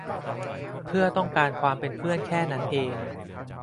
เพื่อต้องการความเป็นเพื่อนแค่นั้นเอง